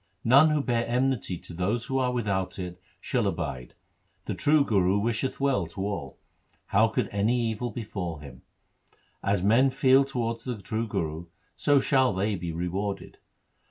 None who bear enmity to those who are without it shall abide. The true Guru wisheth well to all ; how could any evil befall him ? As men feel towards the true Guru, so shall they be rewarded.